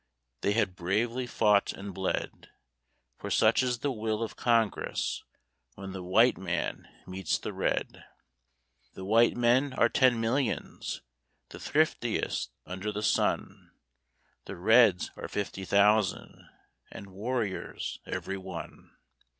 They had bravely fought and bled; For such is the will of Congress When the White man meets the Red. The White men are ten millions, The thriftiest under the sun; The Reds are fifty thousand, And warriors every one.